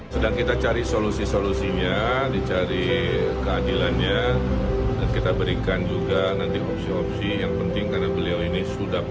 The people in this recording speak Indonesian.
sedang kita cari solusi solusinya dicari keadilannya dan kita berikan juga nanti opsi opsi yang penting karena beliau ini sudah berhasil